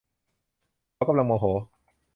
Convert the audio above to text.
เขากำลังโมโห